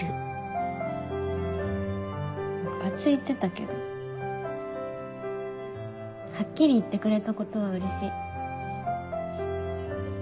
ムカついてたけどはっきり言ってくれたことはうれしい。